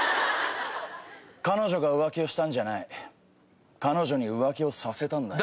彼女が浮気をしたんじゃない彼女に浮気をさせたんだよ。